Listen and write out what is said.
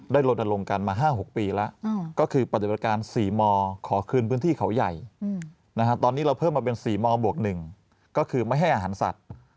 ลนลงกันมา๕๖ปีแล้วก็คือปฏิบัติการ๔มขอคืนพื้นที่เขาใหญ่ตอนนี้เราเพิ่มมาเป็น๔มบวก๑ก็คือไม่ให้อาหารสัตว์